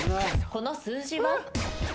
この数字は？